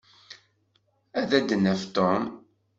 Ad d-naf Tom.